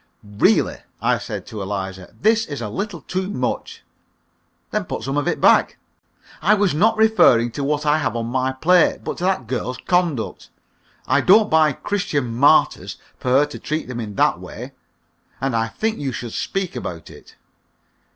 "Really," I said to Eliza, "this is a little too much!" "Then put some of it back." "I was not referring to what I have on my plate, but to that girl's conduct. I don't buy 'Christian Martyrs' for her to treat them in that way, and I think you should speak about it."